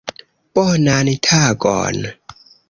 Bonan tagon!